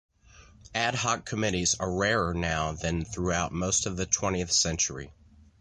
Ad hoc committees are rarer now than throughout most of the twentieth century.